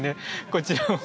こちらも。